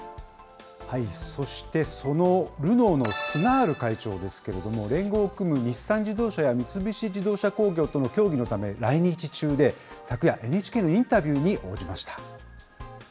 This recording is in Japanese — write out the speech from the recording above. そしてそのルノーのスナール会長ですけれども、連合を組む日産自動車や三菱自動車工業との協議のため、来日中で、昨夜、ＮＨＫのインタビューに応じました。